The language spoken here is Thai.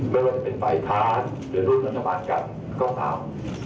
ไม่ว่าจะเป็นฝ่ายค้านหรือร่วมรัฐบาลกันก็ตาม